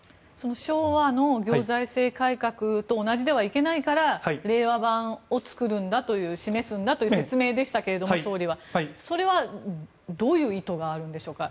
昭和の行財政改革と同じではいけないから令和版を作るんだという示すんだという説明でしたけどもそれは、どういう意図があるんでしょうか。